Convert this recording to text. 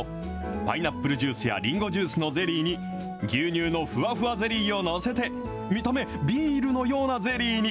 パイナップルジュースやリンゴジュースのゼリーに、牛乳のふわふわゼリーを載せて、見た目ビールのようなゼリーに。